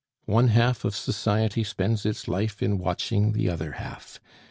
"One half of society spends its life in watching the other half.